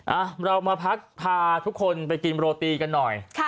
อ่ะเรามาพักพาทุกคนไปกินโรตีกันหน่อย